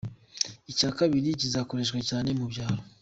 Icya kabiri kizakoreshwa cyane mu byaro.’’